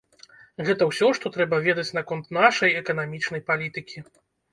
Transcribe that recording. Гэта ўсё, што трэба ведаць наконт нашай эканамічнай палітыкі.